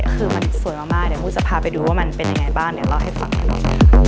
คือมันสวยมากเดี๋ยวมูจะพาไปดูว่ามันเป็นยังไงบ้างเดี๋ยวเล่าให้ฟัง